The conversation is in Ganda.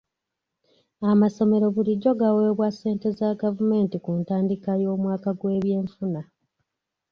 Amasomero bulijjo gaweebwa ssente za gavumenti ku ntandikwa y'omwaka gw'ebyenfuna.